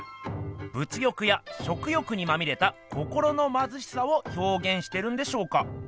物欲や食欲にまみれた心のまずしさをひょうげんしてるんでしょうか？